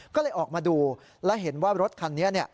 ก็เลยออกมาดูและเห็นว่ารถคันนี้